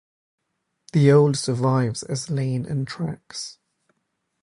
The old survives as lane and tracks.